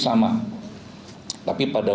sama tapi pada